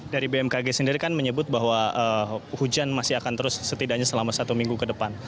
dari bmkg sendiri kan menyebut bahwa hujan masih akan terus setidaknya selama satu minggu ke depan